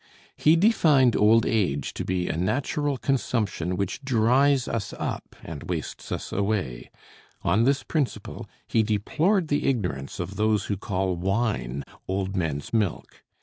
He defined old age to be a natural consumption which dries us up and wastes us away; on this principle he deplored the ignorance of those who call wine "old men's milk."